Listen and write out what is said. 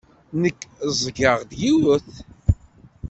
Nekk ẓẓgeɣ-d yiwet.